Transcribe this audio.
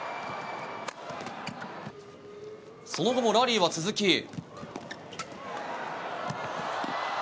その後もラリーは続き。